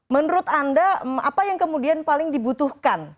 menurut anda apa yang kemudian paling dibutuhkan